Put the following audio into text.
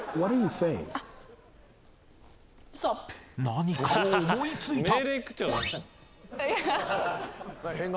［何かを思い付いた］